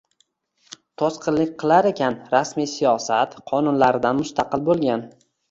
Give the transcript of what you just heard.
to‘sqinlik qilar ekan, rasmiy siyosat qonuniyatlaridan mustaqil bo‘lgan